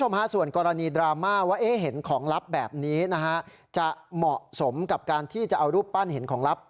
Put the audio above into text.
อ๋อเหรอฮะนี่ไงที่เป็นตัวแบบนี้หน้าเขาจะหล่อนะครับ